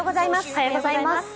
おはようございます。